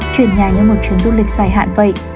chuyển nhà như một chuyến du lịch dài hạn vậy